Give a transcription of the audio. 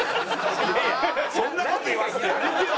そんな事言わすのやめてよ！